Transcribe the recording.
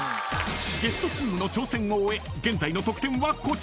［ゲストチームの挑戦を終え現在の得点はこちら］